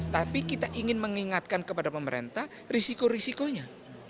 tapi kita ingin mengingatkan kepada pemerintah risiko risikonya